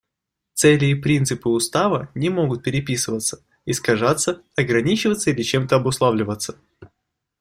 Цели и принципы Устава не могут переписываться, искажаться, ограничиваться или чем-то обусловливаться.